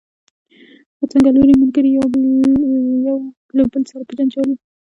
خو څنګلوري ملګري مو یو له بل سره په جنجال وو.